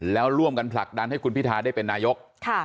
แล้วร่วมกันผลักดันให้คุณพิทาได้เป็นนายก